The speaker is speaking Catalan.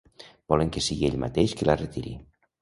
Volen que sigui ell mateix qui la retiri.